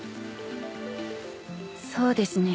そうですね